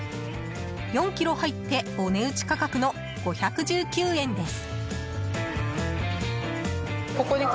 ４ｋｇ入ってお値打ち価格の５１９円です。